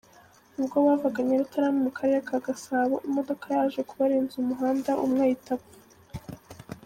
Ubwo bavaga Nyarutarama mu Karere ka Gasabo, imodoka yaje kubarenza umuhanda, umwe ahita apfa.